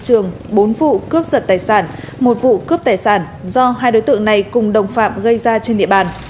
trường bốn vụ cướp giật tài sản một vụ cướp tài sản do hai đối tượng này cùng đồng phạm gây ra trên địa bàn